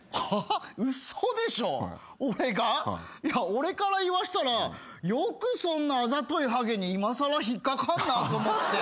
俺から言わしたらよくそんなあざといはげにいまさら引っ掛かんなと思って。